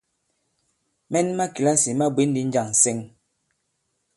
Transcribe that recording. Mɛn ma kìlasì ma bwě ndi njâŋ ǹsɛŋ?